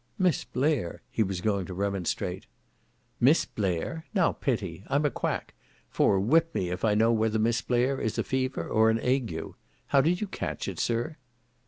'"Miss Blair!" he was going to remonstrate. '"Miss Blair! Now, pity. I'm a quack! for whip me, if I know whether Miss Blair is a fever or an ague. How did you catch it, sir?"